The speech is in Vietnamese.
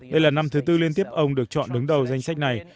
đây là năm thứ tư liên tiếp ông được chọn đứng đầu danh sách này